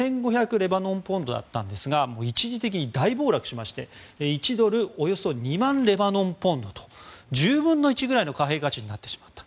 レバノンポンドでしたが一時的に大暴落しまして、１ドルおよそ２万レバノンポンドと１０分の１くらいの貨幣価値になってしまった。